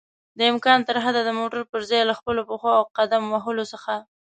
دامکان ترحده د موټر پر ځای له خپلو پښو او قدم وهلو څخه